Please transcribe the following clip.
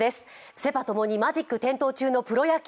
セ・パ共にマジック点灯中のプロ野球。